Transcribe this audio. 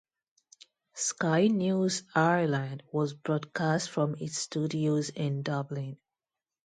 Sky News Ireland was broadcast from its studios in Dublin.